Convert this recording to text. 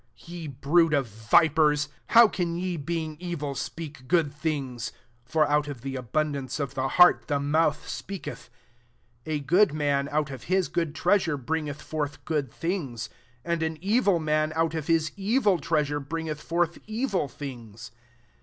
34 " Ye brood of vipers, how can ye, being evil, speak good things? for out of the abun dance of the heart the mouth speaketh. 35 A g^od man out of hia good treasure bringeth forth good things : and an evil man out of Ma evil treasure bringeth forth evil things.